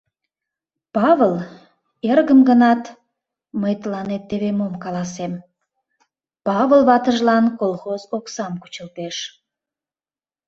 Павыл — эргым гынат, мый тыланет теве мом каласем: Павыл ватыжлан колхоз оксам кучылтеш...